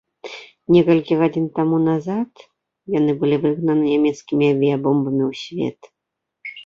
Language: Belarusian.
Некалькі гадзін таму назад яны былі выгнаны нямецкімі авіябомбамі ў свет.